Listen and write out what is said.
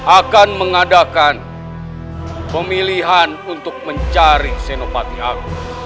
akan mengadakan pemilihan untuk mencari sinopat ni aku